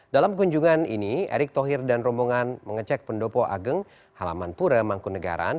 dalam kunjungan ini erick thohir dan rombongan mengecek pendopo ageng halaman pura mangkunegaran